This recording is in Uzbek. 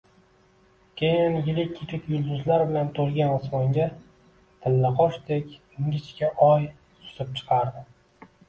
Keyin yirik-yirik yulduzlar bilan to‘lgan osmonga tillaqoshdek ingichka oy suzib chiqardi.